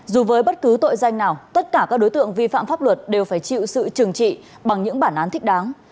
dù với bất cứ tội danh nào tất cả các đối tượng vi phạm pháp luật đều phải chịu sự trừng trị bằng những bản án thích đáng